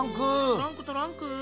トランクトランク。